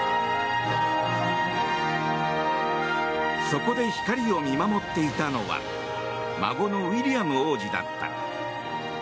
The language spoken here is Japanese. そこで光を見守っていたのは孫のウィリアム王子だった。